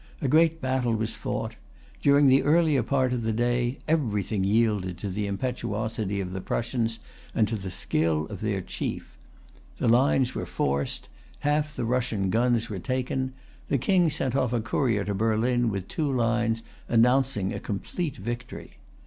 A great battle was fought. During the earlier part of the day everything yielded to the impetuosity of the Prussians, and to the skill of their chief. The lines were forced. Half the Russian guns[Pg 323] were taken. The King sent off a courier to Berlin with two lines, announcing a complete victory.